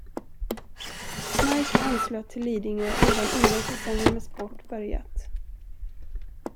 Mike anslöt till Lidingö redan innan säsongen med sport börjat.